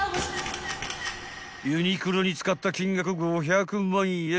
［ユニクロに使った金額５００万円］